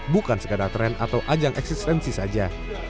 bukan sekadar tren atau ajang eksistensi saja